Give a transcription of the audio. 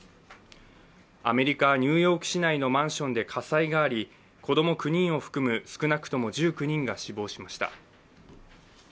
アメリカ・ニューヨーク市内のマンションで火災があり、子供９人を含む少なくとも１９人が死亡しました。